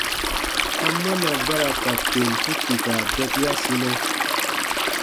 Amɔna ba ra ka kentu kpika bɛkiasinɛ?